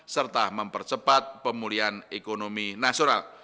serta mempercepat pemulihan ekonomi nasional